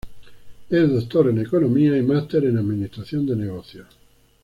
Es Doctor en economía y máster en administración de negocios.